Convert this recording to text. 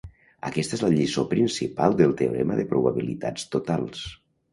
Aquesta és la lliçó principal del teorema de probabilitats totals.